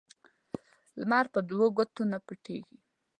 لمر په دوه ګوتو نه پټیږي